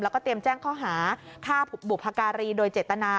แล้วก็เตรียมแจ้งข้อหาฆ่าบุพการีโดยเจตนา